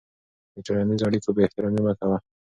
د ټولنیزو اړیکو بېاحترامي مه کوه.